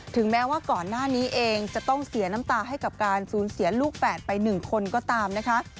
แม้ว่าก่อนหน้านี้เองจะต้องเสียน้ำตาให้กับการสูญเสียลูกแฝดไป๑คนก็ตามนะคะ